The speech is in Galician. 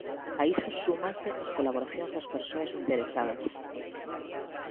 A iso súmanse as colaboracións das persoas interesadas.